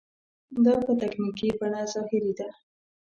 دا په تکتیکي بڼه ظاهري ده.